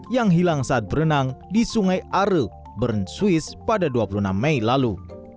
yang hilang saat berenang di sungai are bern swiss pada dua puluh enam mei lalu